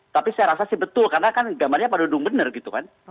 tapi saya rasa sih betul karena kan gambarnya pada dung bener gitu kan